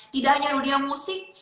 tidak hanya dunia musik